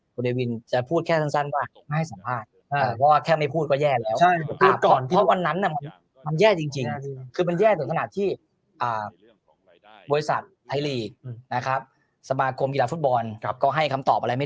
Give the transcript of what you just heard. บริษัทไทยลีกนะครับสมาคมกีฬาฟุตบอลก็ให้คำตอบอะไรไม่